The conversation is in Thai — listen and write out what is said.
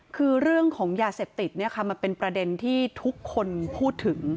คือเรื่องของยาเสพติดเนี่ยค่ะมันเป็นประเด็นที่ทุกคนพูดถึง